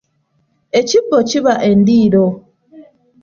Ekibbo kiba endiiro.